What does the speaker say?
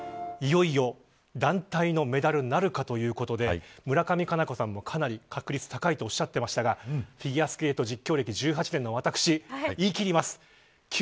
いよいよ団体のメダルなるかということで村上佳菜子さんもかなり確率高いとおっしゃっていましたがフィギュアスケート実況歴１８年の私、言い切ります。